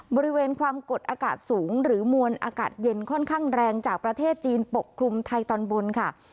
บริเวณความกดอากาศสูงหรือมวลอากาศเย็นค่อนข้างแรงจากประเทศจีนปกคลุมไทยตอนบนค่ะ